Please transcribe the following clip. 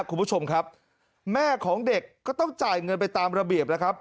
คุณผู้ชมครับแม่ของเด็กก็ต้องจ่ายเงินไปตามระเบียบแล้วครับ